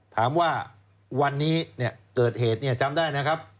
ถามว่าวันนี้เกิดเหตุเนี่ยจำได้นะครับ